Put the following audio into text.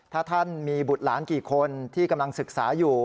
ถ้าท่านมีบุตรหลานกี่คนที่กำลังศึกษาอยู่